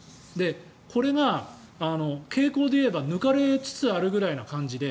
これが傾向で言えば抜かれつつあるぐらいな感じで。